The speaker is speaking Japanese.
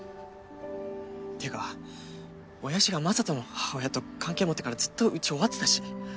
っていうか親父が雅人の母親と関係持ってからずっとうち終わってたし。